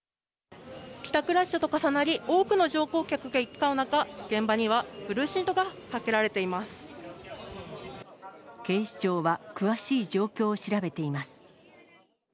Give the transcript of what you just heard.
帰宅ラッシュと重なり、多くの乗降客が行き交う中、現場にはブルーシートがかけられ警視庁は、詳しい状況を調べています。